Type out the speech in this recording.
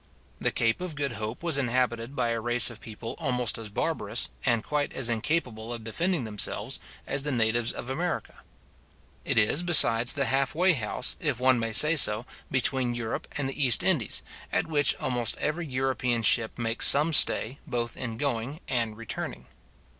The Cape of Good Hope was inhabited by a race of people almost as barbarous, and quite as incapable of defending themselves, as the natives of America. It is, besides, the half way house, if one may say so, between Europe and the East Indies, at which almost every European ship makes some stay, both in going and returning.